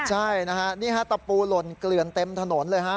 ใช่นะฮะนี่ฮะตะปูหล่นเกลือนเต็มถนนเลยฮะ